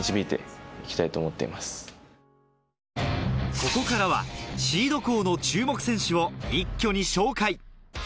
ここからはシード校の注目選手を一挙に紹介。